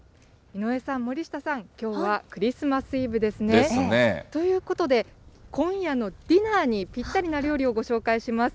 井上さん、森下さん、きょうはクリスマスイブですね。ということで、今夜のディナーにぴったりなお料理をご紹介します。